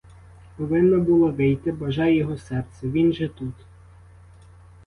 Повинна була вийти, бажає його серце: він же тут.